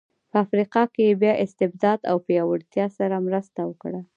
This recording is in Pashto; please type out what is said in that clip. په افریقا کې یې بیا استبداد او پیاوړتیا سره مرسته وکړه.